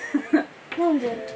何で？